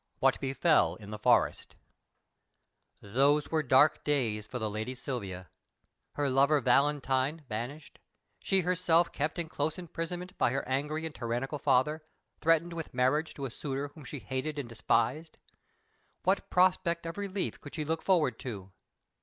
What befell in the Forest Those were dark days for the lady Silvia: her lover Valentine banished, she herself kept in close imprisonment by her angry and tyrannical father, threatened with marriage to a suitor whom she hated and despised. What prospect of release could she look forward to?